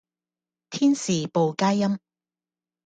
天使報佳音